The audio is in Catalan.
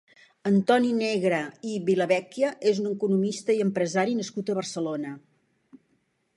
Antoni Negre i Villavecchia és un economista i empresari nascut a Barcelona.